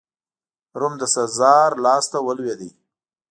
روم د سزار لاسته ولوېد.